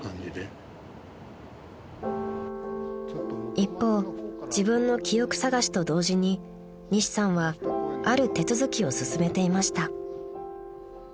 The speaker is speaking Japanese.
［一方自分の記憶さがしと同時に西さんはある手続きを進めていました］